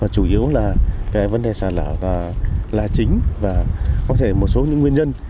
chủ yếu là vấn đề sạt lở là chính và có thể một số nguyên nhân